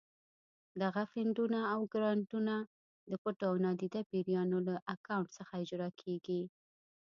دغه فنډونه او ګرانټونه د پټو او نادیده پیریانو له اکاونټ څخه اجرا کېږي.